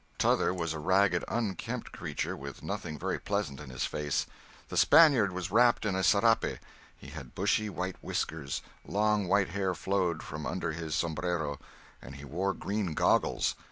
"T'other" was a ragged, unkempt creature, with nothing very pleasant in his face. The Spaniard was wrapped in a serape; he had bushy white whiskers; long white hair flowed from under his sombrero, and he wore green goggles.